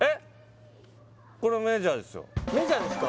これメジャーですよ